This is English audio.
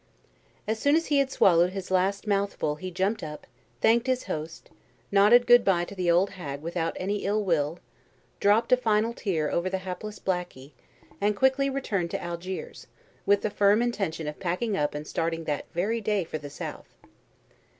As soon as he had swallowed his last mouthful he jumped up, thanked his host, nodded good bye to the old hag without any ill will, dropped a final tear over the hapless Blackey, and quickly returned to Algiers, with the firm intention of packing up and starting that very day for the South.